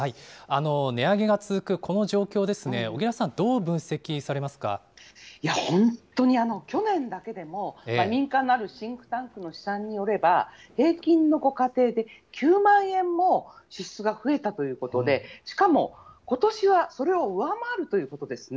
値上げが続くこの状況ですね、いや、本当に、去年だけでも民間のあるシンクタンクの試算によれば、平均のご家庭で９万円も支出が増えたということで、しかもことしはそれを上回るということですね。